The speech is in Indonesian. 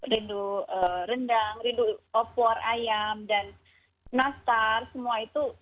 rindu rendang rindu opor ayam dan nastar semua itu